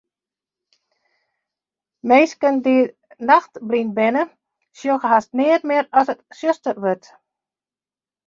Minsken dy't nachtblyn binne, sjogge hast neat mear as it tsjuster wurdt.